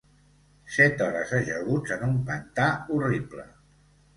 Set hores ajaguts en un pantà horrible